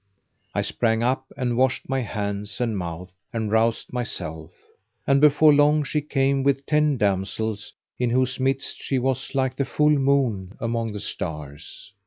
I sprang up and washed my hands and mouth and roused myself; and before long she came with ten damsels, in whose midst she was like the full moon among the stars.